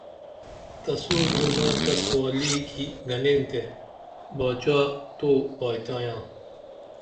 تسو گرومہ تس والی کی گنین تے باچا تو بائتایاں